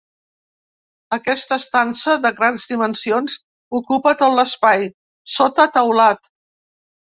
Aquesta estança, de grans dimensions, ocupa tot l'espai, sota teulat.